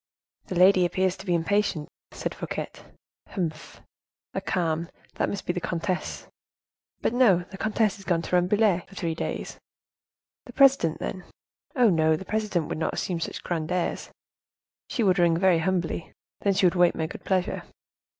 "The lady appears to be impatient," said Fouquet. "Humph! a calm! That must be the comtesse; but, no, the comtesse is gone to Rambouillet for three days. The presidente, then? Oh! no, the presidente would not assume such grand airs; she would ring very humbly, then she would wait my good pleasure.